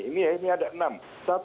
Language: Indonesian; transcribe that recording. ini ya ini ada enam